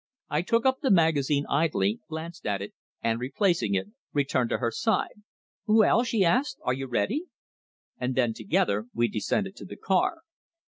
I took up the magazine idly, glanced at it, and, replacing it, returned to her side. "Well," she asked, "are you ready?" And then together we descended to the car.